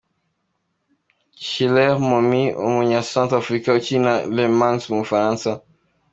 Hilaire Momi , umunya Centre Afurika ukinira Le Mans mu Bufaransa.